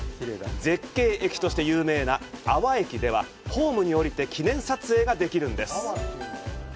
絶景駅として有名な安和駅では、ホームに降りて記念撮影ができるんです。